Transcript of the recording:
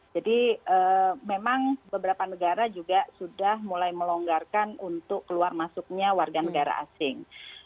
jadi memang beberapa negara juga sudah mulai melonggarkan untuk keluar masuknya warga negara asing